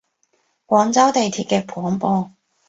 廣州地鐵嘅廣播